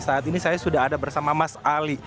saat ini saya sudah ada bersama mas ali